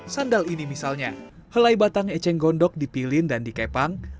sandal ini misalnya helai batang eceng gondok dipilin dan dikepang